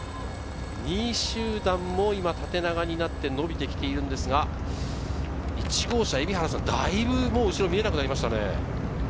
２位集団も今、縦長になって伸びてきているんですが、１号車・蛯原さん、だいぶ後ろが見えなくなりましたね。